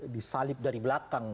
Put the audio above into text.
disalib dari belakang